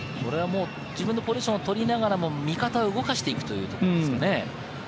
自分のポジションを取りながらも、味方を動かしていくというところですね。